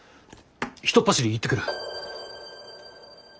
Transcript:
ひとっ走り行ってくる。